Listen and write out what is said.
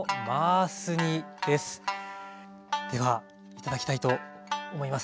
では頂きたいと思います。